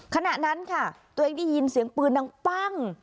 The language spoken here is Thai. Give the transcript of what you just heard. ขณะนั้นค่ะตัวเองได้ยินเสียงปืนดังปั้ง